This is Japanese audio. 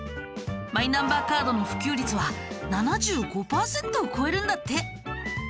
マイナンバーカードの普及率は７５パーセントを超えるんだって。